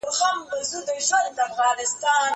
سیر د کتابتوننۍ له خوا کيږي!